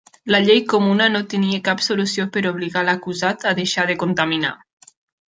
La llei comuna no tenia cap solució per obligar l'acusat a deixar de contaminar.